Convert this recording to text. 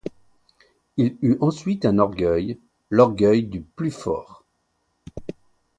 Il eut ensuite un orgueil, l'orgueil du plus fort.